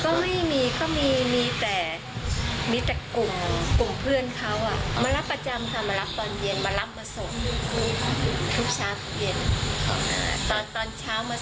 ก็ไม่มีก็มีมีแต่กลุ่มเพื่อนเขาอ่ะมารับประจำค่ะมารับตอนเย็นมารับมาส่ง